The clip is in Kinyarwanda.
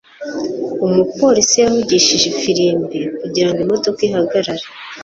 umupolisi yavugije ifirimbi kugirango imodoka ihagarare